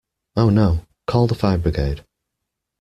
Oh no! Call the fire brigade!